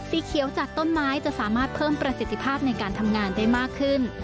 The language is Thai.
สีเขียวจากต้นไม้จะสามารถเพิ่มประสิทธิภาพในการทำงานได้มากขึ้น